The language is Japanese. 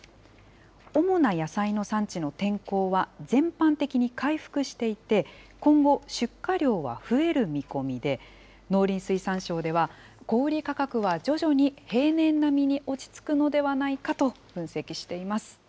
主な野菜の産地の天候は全般的に回復していて、今後、出荷量は増える見込みで、農林水産省では、小売り価格は徐々に平年並みに落ち着くのではないかと分析しています。